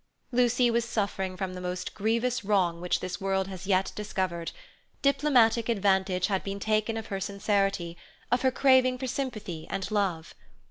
Lucy was suffering from the most grievous wrong which this world has yet discovered: diplomatic advantage had been taken of her sincerity, of her craving for sympathy and love.